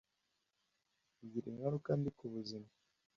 bigira ingaruka mbi ku buzima